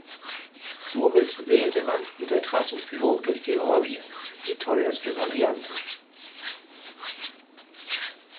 Somit wählte man mit der Trassenführung durch Georgien die teuerste Variante.